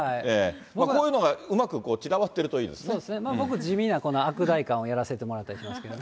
こういうのがうまく散らばってい僕、地味なこのアク代官をやらせてもらったりしてますけどね。